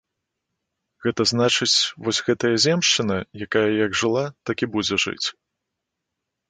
Гэта значыць, вось гэтая земшчына, якая як жыла, так і будзе жыць.